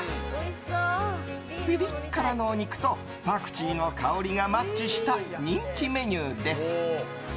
ピリ辛のお肉とパクチーの香りがマッチした人気メニューです。